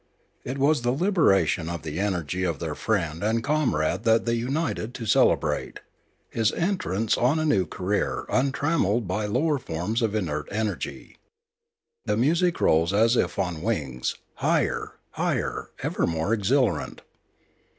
It was the liberation of the energy of their friend and comrade that they united to cele brate, his entrance on a new career untrammelled by lower forms of inert energy. The music rose as if on wings, higher, higher, ever more exhilarant.